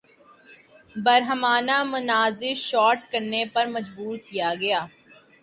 برہنہ مناظر شوٹ کرنے پر مجبور کیا گیا